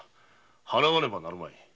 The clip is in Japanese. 払わねばなるまい。